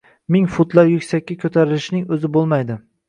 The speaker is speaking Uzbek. Ming futlar yuksakka ko‘tarilishning o‘zi bo‘lmaydi.